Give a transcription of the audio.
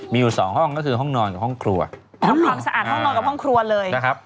มีสองเสิร์ศฉีกด้วย